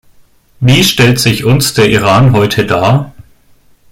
Wie stellt sich uns der Iran heute dar?